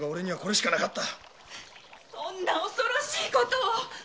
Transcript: そんな恐ろしいことを。